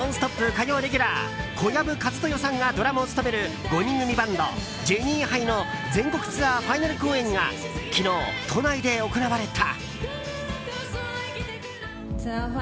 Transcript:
火曜レギュラー、小籔千豊さんがドラムを務める５人組バンドジェニーハイの全国ツアー、ファイナル公演が昨日都内で行われた。